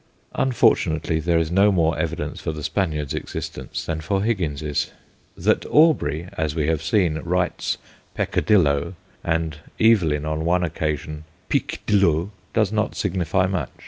Unfortunately there is no more evidence for the Spaniard's existence than for Higgins's. That Aubrey, as we have seen, writes Peccadillo, and Evelyn on one occasion Piqudillo, does not signify much.